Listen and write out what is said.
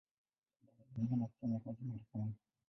Baadaye alihamia na kufanya kazi Marekani.